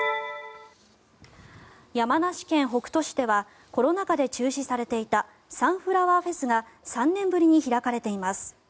山梨県北杜市ではコロナ禍で中止されていたサンフラワーフェスが３年ぶりに開かれています。